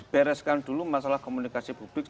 bereskan dulu masalah komunikasi publik